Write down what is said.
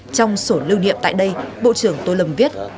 trong sổ lưu niệm tại đây bộ trưởng tô lâm viết